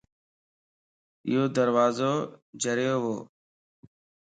يو دروازو جريووَ